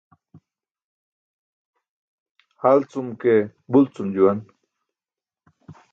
Halcum ke bulcum juwan.